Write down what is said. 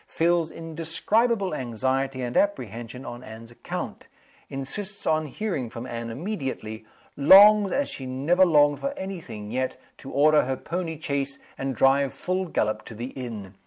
Feels indescribable anxiety and apprehension on Anne's account. Insists on hearing from Anne immediately. Longs, as she never longed for any thing yet, to order her pony chaise and drive full gallop to the inn.